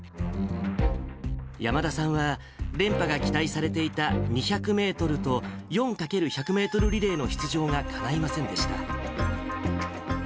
山田さんは連覇が期待されていた２００メートルと４×１００メートルリレーの出場がかないませんでした。